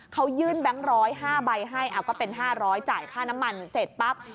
เขายื่นแบงค์๑๐๕ใบให้ก็เป็น๕๐๐จ่ายค่าน้ำมันเสร็จปั๊บ